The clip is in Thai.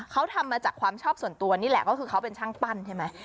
เขาทำมาจากความชอบส่วนตัวนี่แหละก็คือเขาเป็นช่างปั้นใช่ไหม